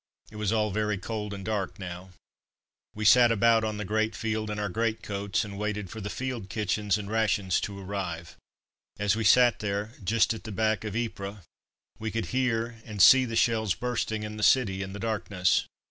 It was all very cold and dark now. We sat about on the great field in our greatcoats and waited for the field kitchens and rations to arrive. As we sat there, just at the back of Ypres, we could hear and see the shells bursting in the city in the darkness.